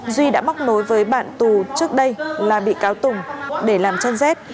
duy đã móc nối với bạn tù trước đây là bị cáo tùng để làm chân rét